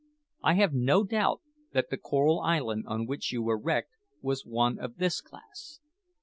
I have no doubt that the Coral Island on which you were wrecked was one of this class.